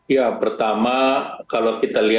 ya pertama kalau kita lihat